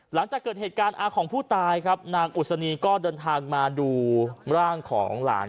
หลังจากเกิดเหตุการณ์อาของผู้ตายครับนางอุศนีก็เดินทางมาดูร่างของหลาน